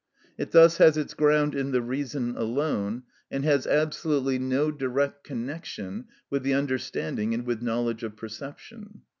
It thus has its ground in the reason alone, and has absolutely no direct connection with the understanding and with knowledge of perception.